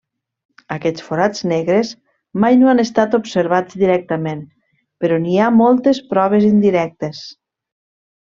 Aquests forats negres mai no han estat observats directament, però n'hi ha moltes proves indirectes.